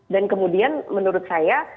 dan kemudian menurut saya